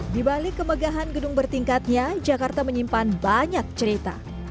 di balik kemegahan gedung bertingkatnya jakarta menyimpan banyak cerita